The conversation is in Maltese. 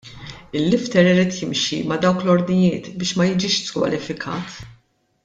Il-lifter irid jimxi ma' dawk l-ordnijiet biex ma jiġix skwalifikat.